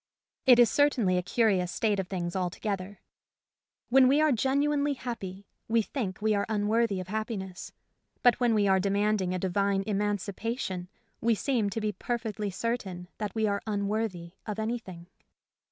It is certainly a curious state of things alto gether. When we are genuinely happy, we think we are unworthy of happiness. But when we are demanding a divine emancipation we seem to be perfectly certain that we are unworthy of anything.